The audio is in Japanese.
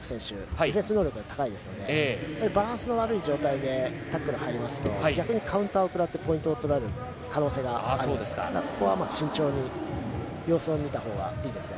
ディフェンス能力が高いのでバランスの悪い状態でタックルに入りますと逆にカウンターを食らってポイントを取られる可能性があるのでここは慎重に様子を見たほうがいいですね。